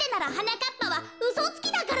かっぱはうそつきだからです。